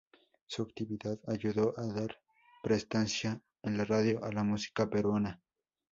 Su actividad ayudó a dar prestancia en la radio a la música peruana.